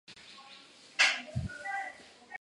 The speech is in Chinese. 蒋斯千父名蒋祈增生于清朝乾隆四十八年。